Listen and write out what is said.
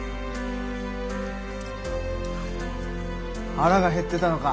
腹が減ってたのか。